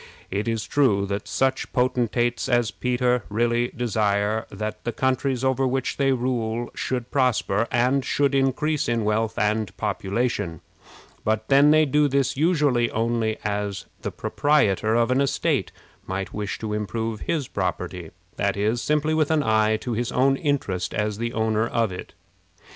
It is true that such potentates as Peter really desire that the countries over which they rule should prosper, and should increase in wealth and population; but then they do this usually only as the proprietor of an estate might wish to improve his property, that is, simply with an eye to his own interest as the owner of it.